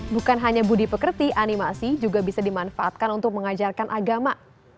bukan hanya budi pekerti animasi juga bisa dimanfaatkan untuk mengajarkan agama